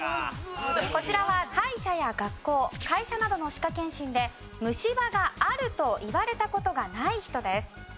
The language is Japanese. こちらは歯医者や学校会社などの歯科検診で虫歯があると言われた事がない人です。